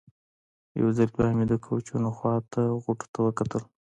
یو ځل بیا مې د کوچونو خوا ته غوټو ته وکتل.